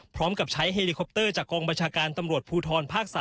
พร้อมกับใช้เฮลิคอปเตอร์จากกองบัญชาการตำรวจภูทรภาค๓